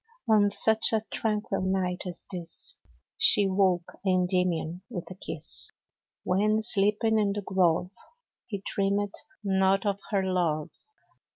On such a tranquil night as this, io She woke Kndymion with a kis^, When, sleeping in tin grove, He dreamed not of her love.